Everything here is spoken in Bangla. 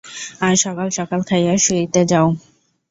আজ সকাল সকাল খাইয়া শুইতে যাও।